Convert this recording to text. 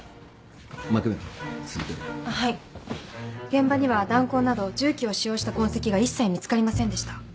現場には弾痕など銃器を使用した痕跡が一切見つかりませんでした。